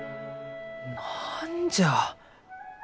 何じゃあ。